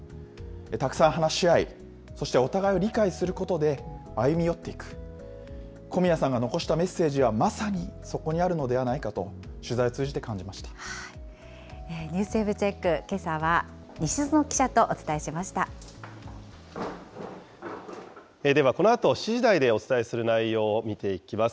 たくさん話し合い、そしてお互いを理解することで、歩み寄っていく、小宮さんが遺したメッセージはまさにそこにあるのではないかと、ＮＥＷＳＷＥＢチェック、けではこのあと、７時台でお伝えする内容を見ていきます。